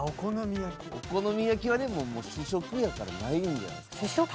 お好み焼きはでも主食やからないんじゃないですか？